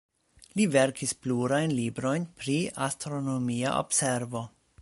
Li verkis plurajn librojn pri astronomia observo.